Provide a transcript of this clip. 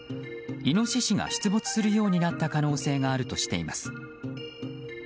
イノシシが出没するようになった可能性があるとしています。